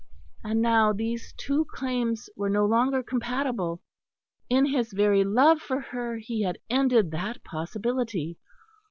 And now these two claims were no longer compatible; in his very love for her he had ended that possibility.